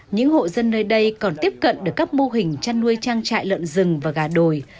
những hộ dân nơi đây còn tiếp cận được các mô hình chăn nuôi trang trại lợn rừng và gà đồi